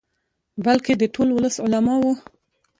بلکې د ټول ولس، علماؤ.